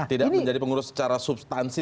tidak menjadi pengurus secara substansi